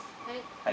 はい。